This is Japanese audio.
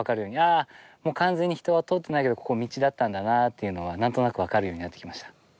ああもう完全に人は通ってないけれどここ道だったんだなというのはなんとなくわかるようになってきました。